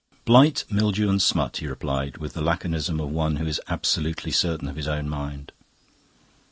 "Blight, Mildew, and Smut," he replied, with the laconism of one who is absolutely certain of his own mind.